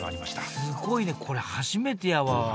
すごいねこれ初めてやわ。